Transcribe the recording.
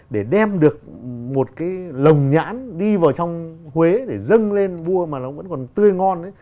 để đem được một cái lồng nhãn đi vào trong huế để dâng lên vua mà nó vẫn còn tươi ngon ấy